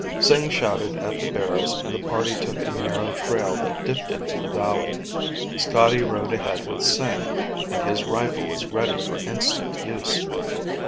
Sing shouted at the bearers and the party took a narrow trail that dipped into the valley. Scotty rode ahead with Sing, and his rifle was ready for instant use.